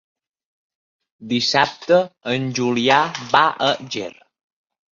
Dissabte en Julià va a Ger.